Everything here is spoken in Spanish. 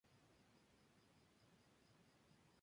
Fue uno de los fundadores de los Sionistas Generales.